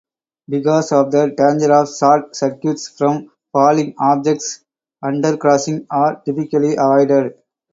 Because of the danger of short circuits from falling objects, undercrossings are typically avoided.